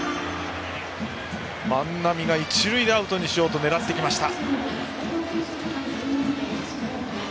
万波が一塁でアウトにしようと狙ってきました。